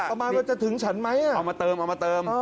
ประมาณว่าจะถึงฉันไหมเอามาเติม